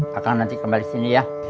kak kang nanti kembali sini ya